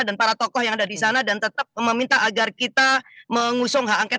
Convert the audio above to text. dan para tokoh yang ada di sana dan tetap meminta agar kita mengusung hak angket